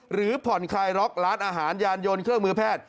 หรือผ่อนคลายล็อกร้านอาหารยานยนต์เครื่องมือแพทย์